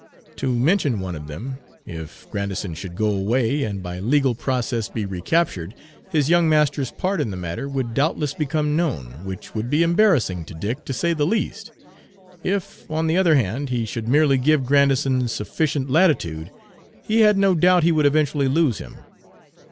To mention one of them, if Grandison should go away, and by legal process be recaptured, his young master's part in the matter would doubtless become known, which would be embarrassing to Dick, to say the least. If, on the other hand, he should merely give Grandison sufficient latitude, he had no doubt he would eventually lose him.